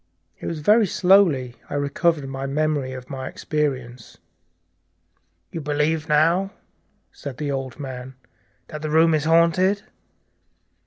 It was very slowly I recovered the memory of my experience. "You believe now," said the old man with the withered hand, "that the room is haunted?"